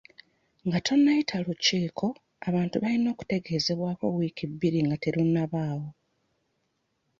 Nga tonnayita lukiiko, abantu balina okutegeezebwako wiiki bbiri nga terunnabaawo.